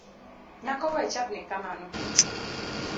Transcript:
Nyako wechapni kamano